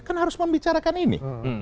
kan harus membicarakan ini